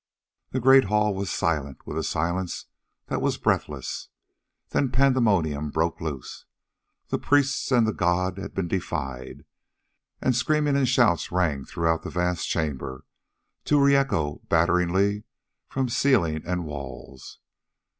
The great hall was silent with a silence that was breathless. Then pandemonium broke lose. The priests and the god had been defied, and screaming and shouts rang throughout the vast chamber to re echo batteringly from ceiling and walls.